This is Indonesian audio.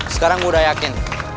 sekarang gua udah yakin